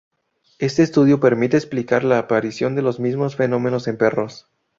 Este estudio permite explicar la aparición de los mismos fenómenos en perros.